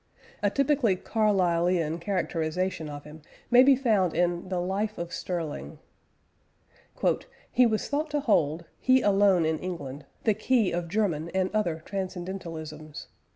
A typically Carlylean characterisation of him may be found in the Life of Sterling: "He was thought to hold he alone in England the key of German and other Transcendentalisms....